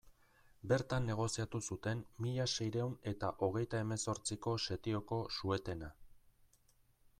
Bertan negoziatu zuten mila seiehun eta hogeita hemezortziko setioko suetena.